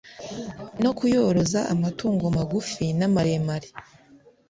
no kuyoroza amatungo magufi n’amaremare